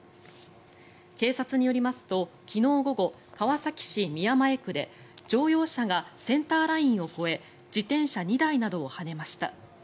警察によりますと昨日午後、川崎市宮前区で乗用車がセンターラインを越え自転車２台などをはねました。